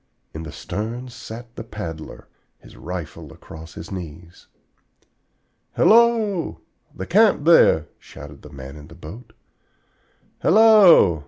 In the stern sat the paddler, his rifle across his knees. "Hello, the camp there!" shouted the man in the boat. "Hello!"